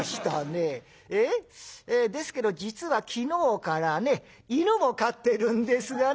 ええ？ですけど実は昨日からね犬も飼ってるんですがね」。